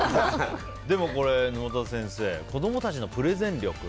でも、沼田先生子供たちのプレゼン力。